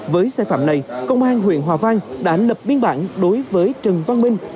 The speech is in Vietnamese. với xe phạm này công an huyện hòa vang đã ảnh lập biên bản đối với trần văn minh